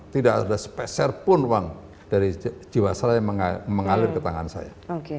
tidak ada sepeser pun uang dari jiwa saya yang mengalir ke tangan saya